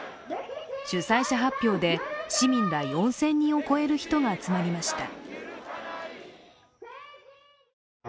主催者発表で市民ら４０００人を超える人が集まりました。